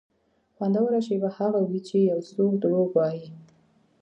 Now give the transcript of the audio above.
خوندوره شېبه هغه وي چې یو څوک دروغ وایي.